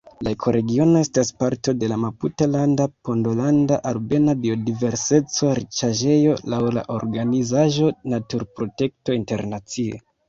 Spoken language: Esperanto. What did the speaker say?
La ekoregiono estas parto de la maputalanda-pondolanda-albena biodiverseco-riĉaĵejo laŭ la organizaĵo Naturprotekto Internacie.